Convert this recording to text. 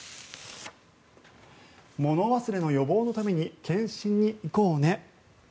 もの忘れの予防のために検診に行こうね。